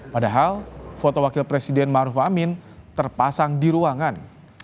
padahal foto wakil presiden maruf amin terpasang di ruangan